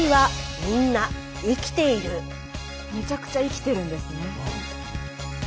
めちゃくちゃ生きてるんですね。